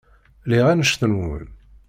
Lliɣ annect-nwen.